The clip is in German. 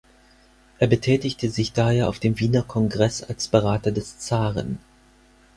Er betätigte sich daher auf dem Wiener Kongress als Berater des Zaren.